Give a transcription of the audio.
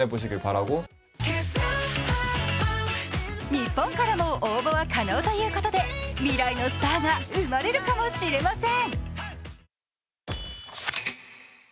日本からも応募は可能ということで、未来のスターが生まれるかもしれません。